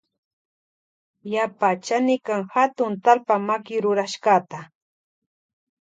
Yapa chanikan hatun talpa makirurashkata.